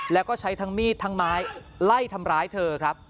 แล้วก็ใช้ทั้งมีดทั้งไม้ไล่ทำร้ายเธอครับ